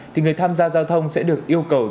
thì người tham gia giao thông sẽ được yêu cầu